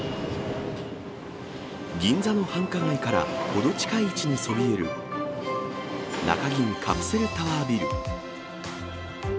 銀座の繁華街からほど近い位置にそびえる中銀カプセルタワービル。